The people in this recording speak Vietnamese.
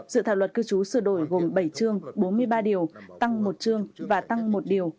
dự thảo luật cư trú sửa đổi gồm bảy chương bốn mươi ba điều tăng một chương và tăng một điều